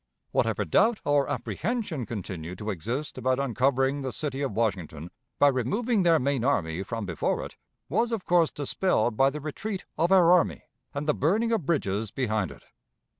Whatever doubt or apprehension continued to exist about uncovering the city of Washington by removing their main army from before it, was of course dispelled by the retreat of our army, and the burning of bridges behind it.